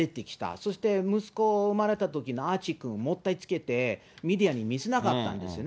そして息子生まれたときのアーチーくん、もったいつけてメディアに見せなかったんですよね。